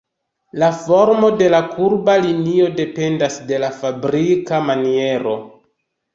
La formo de la kurba linio dependas de la fabrika maniero.